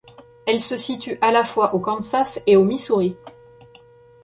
Elle se situe à la fois au Kansas et au Missouri.